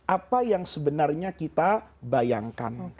apa yang sebenarnya kita bayangkan